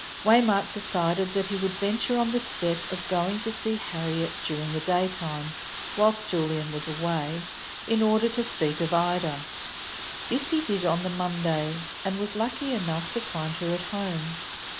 Waymark decided that he would venture on the step of going to see Harriet during the daytime, whilst Julian was away, in order to speak of Ida. This he did on the Monday, and was lucky enough to find her at home.